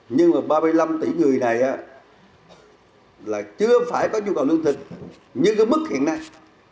nhưng mà ba mươi năm tỷ người này là chưa phải có nhu cầu lương thực như cái mức hiện nay